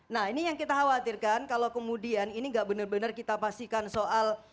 nah ini yang kita khawatirkan kalau kemudian ini nggak benar benar kita pastikan soal